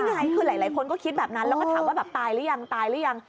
ไงคือหลายคนก็คิดแบบนั้นแล้วก็ถามว่าแบบตายหรือยังตายหรือยัง